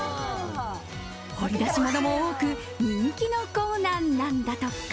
掘り出し物も多く人気のコーナーなんだとか。